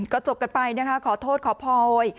ก็จบกันไปนะคะขอโทษขอโพย